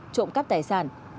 trộm cắp tài sản